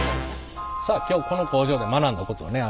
さあ今日この工場で学んだことをね